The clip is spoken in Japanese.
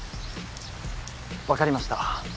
分かりました。